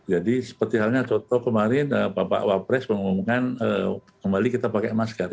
jadi seperti halnya contoh kemarin bapak wapres mengumumkan kembali kita pakai maskara